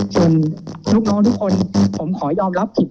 ส่วนลูกน้องทุกคนผมขอยอมรับผิด